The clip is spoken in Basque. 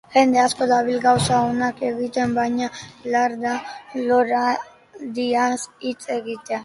Jende asko dabil gauza onak egiten, baina lar da loraldiaz hitz egitea.